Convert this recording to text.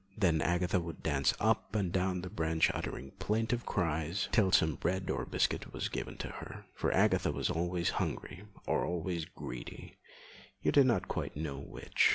Then Agatha would dance up and down the branch uttering plaintive cries, till some bread or biscuit was given to her. For Agatha was always hungry, or always greedy; you did not quite know which.